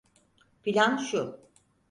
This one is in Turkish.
Plan şu.